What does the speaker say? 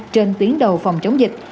trên tiến đầu phòng chống dịch